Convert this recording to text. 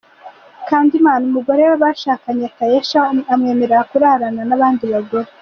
Candyman n’umugore we bashakanye Taesha umwemerera kurarana n’abandi bagore.